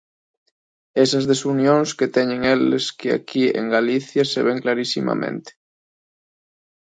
Esas desunións que teñen eles que aquí en Galicia se ven clarisimamente.